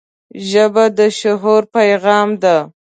ژبه د شعور پیغام ده